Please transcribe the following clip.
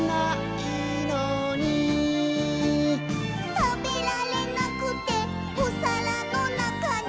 「たべられなくておさらのなかに」